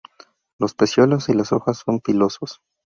Los pecíolos y las hojas son pilosos.